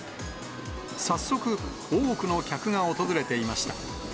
早速、多くの客が訪れていました。